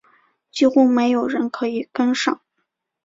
几乎没有人可以跟上